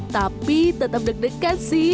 tapi tetap deg degan sih